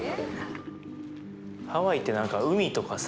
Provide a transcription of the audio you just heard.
ハワイって何か海とかさ